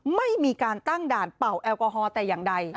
ไม่มีการตั้งด่านเป่าแอลกอฮอล์แต่อย่างใด